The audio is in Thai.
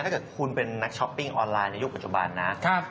ถ้าเกิดคุณเป็นนักช้อปปิ้งออนไลน์ในยุคปัจจุบันนะ